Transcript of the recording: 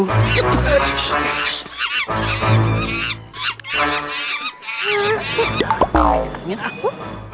udah pak ini aku